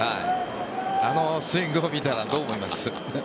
あのスイングを見たらどう思います？